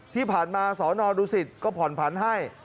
ที่ผ่านมาสนดูสิตก็ผ่อนผันให้